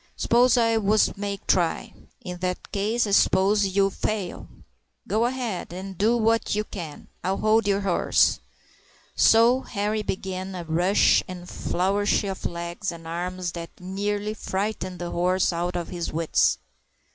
"S'pose I wos make try?" "In that case I s'pose ye would fail. But go ahead, an' do what ye can. I'll hold yer horse." So Henri began by a rush and a flourish of legs and arms that nearly frightened the horse out of his wits.